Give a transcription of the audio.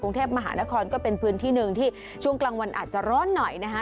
กรุงเทพมหานครก็เป็นพื้นที่หนึ่งที่ช่วงกลางวันอาจจะร้อนหน่อยนะคะ